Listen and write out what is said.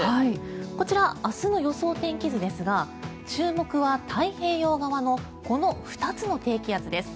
こちら、明日の予想天気図ですが注目は太平洋側のこの２つの低気圧です。